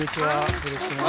よろしくお願いします。